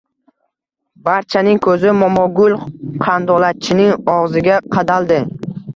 Barchaning ko‘zi Momogul qandolatchining og‘ziga qadaldi